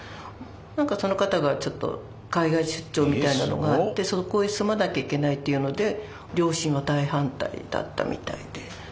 なんかその方がちょっと海外出張みたいなのがあってそこへ住まなきゃいけないっていうので両親は大反対だったみたいで。